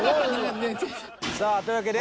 さあというわけで。